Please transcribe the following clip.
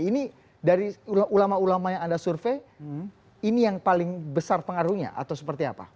ini dari ulama ulama yang anda survei ini yang paling besar pengaruhnya atau seperti apa